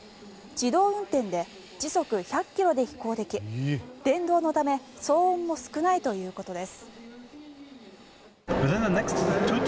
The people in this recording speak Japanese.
自動運転で時速１００ｋｍで飛行でき電動のため騒音も少ないということです。